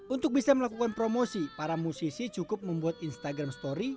untuk bisa melakukan promosi para musisi cukup membuat instagram story